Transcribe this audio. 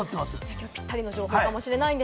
ぴったりの情報かもしれません。